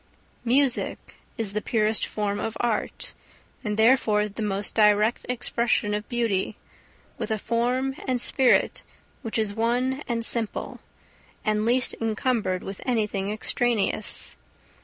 Music is the purest form of art, and therefore the most direct expression of beauty, with a form and spirit which is one and simple, and least encumbered with anything extraneous.